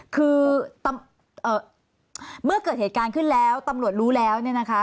คือเมื่อเกิดเหตุการณ์ขึ้นแล้วตำรวจรู้แล้วเนี่ยนะคะ